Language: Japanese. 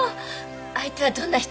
相手はどんな人？